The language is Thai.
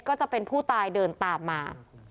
ก็จะเป็นผู้ตายเดินตามมา